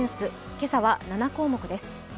今朝は７項目です。